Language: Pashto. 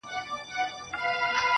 په زړه سخت لکه د غرونو ځناور وو!